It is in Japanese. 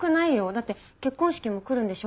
だって結婚式も来るんでしょ？